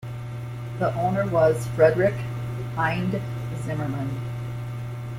The owner was Frederick Hinde Zimmerman.